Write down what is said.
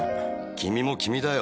君も君だよ！